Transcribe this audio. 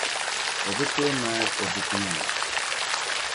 O be tooi naai o buku maa.